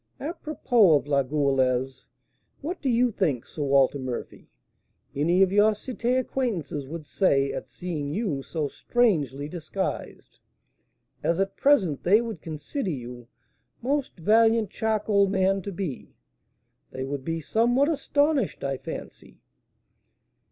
Apropos of La Goualeuse: what do you think, Sir Walter Murphy, any of your Cité acquaintances would say at seeing you so strangely disguised, as at present they would consider you, most valiant charcoal man, to be? They would be somewhat astonished, I fancy."